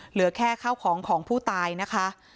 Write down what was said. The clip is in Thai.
เหลือแค่ข้าวของของผู้ตายนะคะ